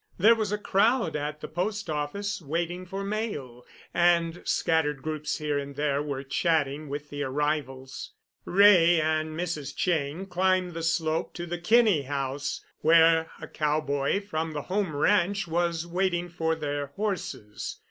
There was a crowd at the post office waiting for mail, and scattered groups here and there were chatting with the arrivals. Wray and Mrs. Cheyne climbed the slope to the Kinney House, where a cowboy from the Home Ranch was waiting for their horses.